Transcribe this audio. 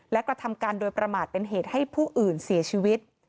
และกระทำการโดยประมาทเป็นเหตุให้ผู้อื่นเสียชีวิต